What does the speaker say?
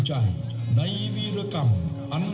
สวัสดีครับทุกคน